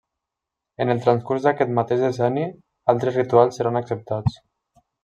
En el transcurs d'aquest mateix decenni, altres rituals seran acceptats.